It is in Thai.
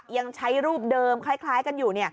ยังใช้รูปเดิมคล้ายกันอยู่